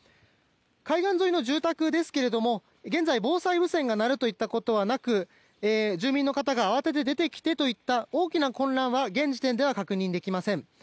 海岸沿いの住宅ですが現在、防災無線が鳴るといったことはなく住民の方が慌てて出てきてといった大きな混乱は現時点では確認できません。